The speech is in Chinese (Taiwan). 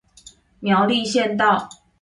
苗栗縣道